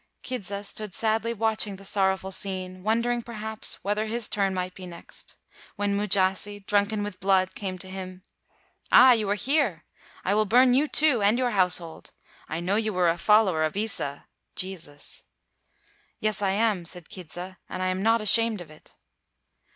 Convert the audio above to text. "Kidza stood sadly watching the sorrow ful scene, wondering perhaps whether his turn might be next, when Mujasi, drunken with blood, came to him. 'Ah, you are here ! I will burn you too and your house hold. I know you are a follower of Isa [Jesus]' 'Yes, I am,' said Kidza, 'and I am not ashamed of it!'